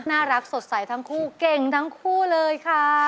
น่ารักสดใสทั้งคู่เก่งทั้งคู่เลยค่ะ